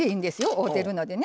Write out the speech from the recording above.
合うてるのでね。